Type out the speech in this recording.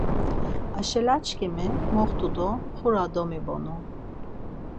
Aşelaçkimi moxtu do xura domibonu.